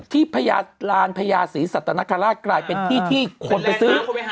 พญาลานพญาศรีสัตนคราชกลายเป็นที่ที่คนไปซื้อ